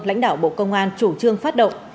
lãnh đạo bộ công an chủ trương phát động